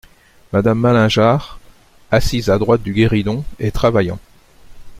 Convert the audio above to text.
Madame Malingear , assise à droite du guéridon et travaillant.